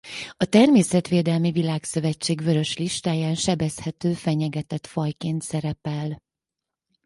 A Természetvédelmi Világszövetség Vörös listáján sebezhető fenyegetett fajként szerepel.